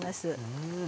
うん。